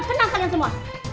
tenang kalian semua